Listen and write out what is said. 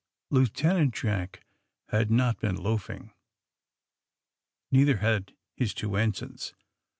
Lieutenant Jack had not been loafing. Neither had his two ensigns.